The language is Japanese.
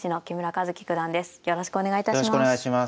よろしくお願いします。